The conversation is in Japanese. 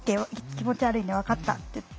気持ち悪いね分かった」って言って。